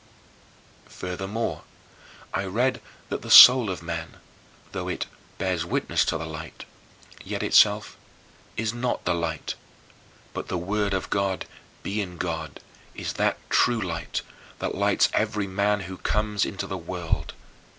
Furthermore, I read that the soul of man, though it "bears witness to the light," yet itself "is not the light; but the Word of God, being God, is that true light that lights every man who comes into the world."